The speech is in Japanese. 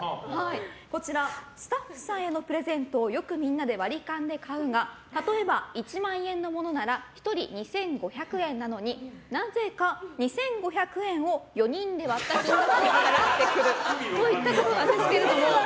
こちら、スタッフさんへのプレゼントをよくみんなで割り勘で買うが例えば１万円のものなら１人２５００円なのになぜか２５００円を４人で割った金額を払ってくる。